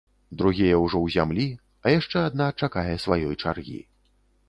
Другія ўжо ў зямлі, а яшчэ адна чакае сваёй чаргі.